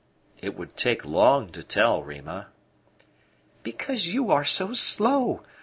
"It would take long to tell, Rima." "Because you are so slow.